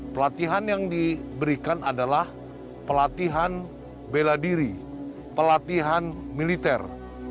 pelatihan yang diberikan adalah pelatihan bela diri pelatihan militer